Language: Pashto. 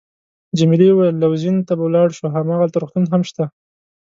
جميلې وويل:: لوزین ته به ولاړ شو، هماغلته روغتون هم شته.